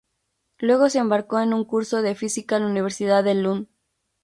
Luego se embarcó en un curso de física en la Universidad de Lund.